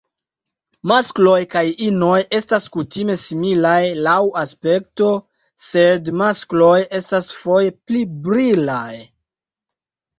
Maskloj kaj inoj estas kutime similaj laŭ aspekto, sed maskloj estas foje pli brilaj.